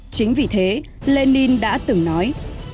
chính vì thế lenin đã từng nói